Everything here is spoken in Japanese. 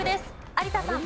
有田さん。